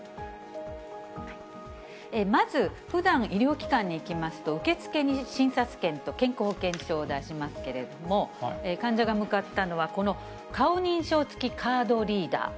まずふだん、医療機関に行きますと、受付に診察券と健康保険証を出しますけれども、患者が向かったのは、この顔認証付きカードリーダー。